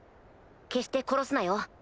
決して殺すなよ？